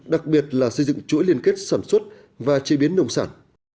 đặc biệt là xây dựng chuỗi liên kết sản xuất và chế biến nông sản